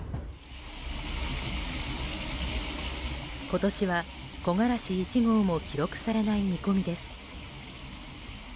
今年は木枯らし１号も記録されない見込みです。